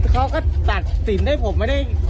เขาก็ตัดสินได้ผมไม่ได้